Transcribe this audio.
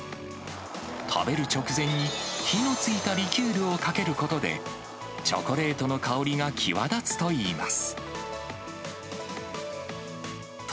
食べる直前に火のついたリキュールをかけることで、チョコレートの香りが際立つといいます。